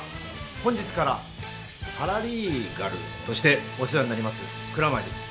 本日からパラリーガル？としてお世話になります蔵前です。